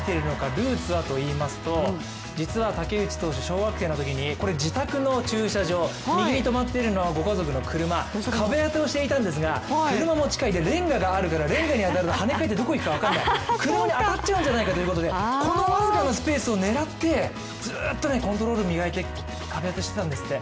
ルーツはといいますと、実は武内投手、小学生のときにこれ、自宅の駐車場右に止まっているのはご家族の車壁打ちをしていたんですが車も近いし、れんががあるから、レンガに当たると跳ね返ってどこに行くか分からない、車に当たるかもしれないこのわずかなスペースを狙って、ずっとコントロール磨いて、壁当てしていたんですって。